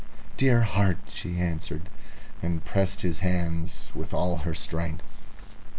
"Dear heart!" she answered, and pressed his hands with all her strength.